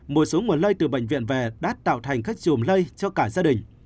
một số nguồn lây từ bệnh viện về đã tạo thành các chùm lây cho cả gia đình